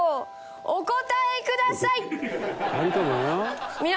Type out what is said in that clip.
お答えください！